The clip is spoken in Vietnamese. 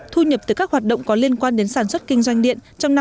thu nhập từ các hoạt động có liên quan đến sản xuất kinh doanh điện